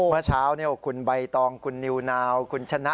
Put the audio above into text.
เมื่อเช้าคุณใบตองคุณนิวนาวคุณชนะ